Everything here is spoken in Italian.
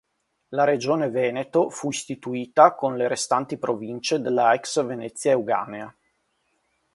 La regione Veneto fu istituita con le restanti province della ex Venezia Euganea.